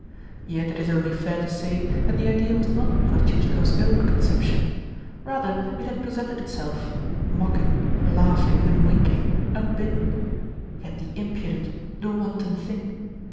Yet it is only fair to say that the idea was not one of Chichikov's own conception. Rather, it had presented itself mocking, laughing, and winking unbidden. Yet the impudent, the wanton thing!